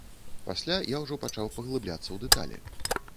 Пасля я ўжо пачаў паглыбляцца ў дэталі.